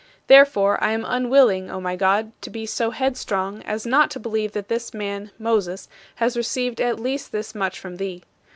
Therefore, I am unwilling, O my God, to be so headstrong as not to believe that this man [Moses] has received at least this much from thee.